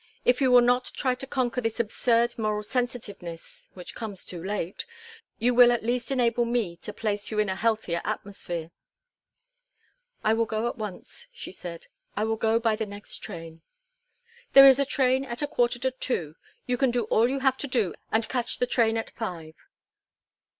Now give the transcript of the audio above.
If you will not try to conquer this absurd moral sensitiveness which comes too late you will at least enable me to place you in a healthier atmosphere." "I will go at once," she said, "I will go by the next train." "There is a train at a quarter to two. You can do all you have to do and catch the train at five.